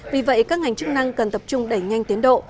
vì vậy các ngành chức năng cần tập trung đẩy nhanh tiến độ